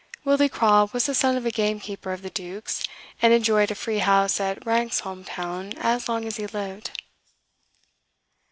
Willie Craw was the son of a gamekeeper of the duke's, and enjoyed a free house at Branxholme Town as long as he lived."